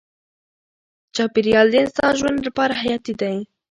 چاپیریال د انسان ژوند لپاره حیاتي دی.